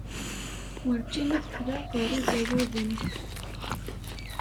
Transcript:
Werǧin ad qqleɣ ɣer Iẓerruden.